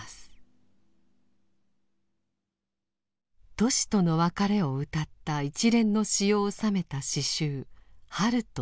トシとの別れをうたった一連の詩を収めた詩集「春と修羅」。